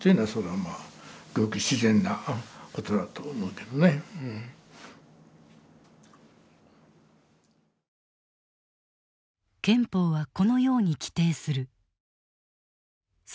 だからまあ憲法はこのように規定する。